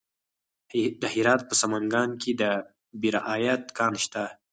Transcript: د هرات په سنګلان کې د بیرایت کان شته.